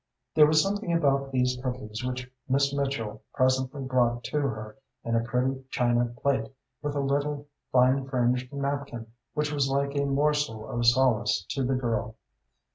There was something about these cookies which Miss Mitchell presently brought to her in a pretty china plate, with a little, fine fringed napkin, which was like a morsel of solace to the girl.